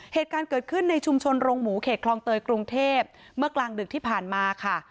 เหตุการณ์เกิดขึ้นในชุมชนโรงหมูเขตคลองเตยกรุงเทพเมื่อกลางดึกที่ผ่านมาค่ะ